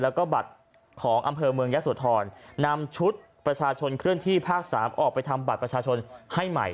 แล้วก็บัตรของอำเภอเมืองยะโสธรนำชุดประชาชนเคลื่อนที่ภาค๓ออกไปทำบัตรประชาชนให้ใหม่